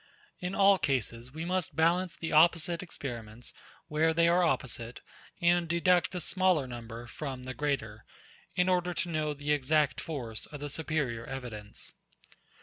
In all cases, we must balance the opposite experiments, where they are opposite, and deduct the smaller number from the greater, in order to know the exact force of the superior evidence.